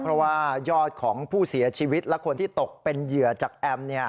เพราะว่ายอดของผู้เสียชีวิตและคนที่ตกเป็นเหยื่อจากแอม